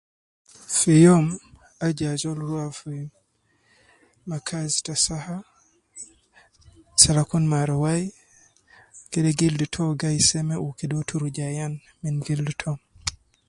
Fi youm, aju ajol rua fi makaz ta saha ,salakun mar wai, kede gildu to gai seme wu kede uwo turuju ayan min gildu to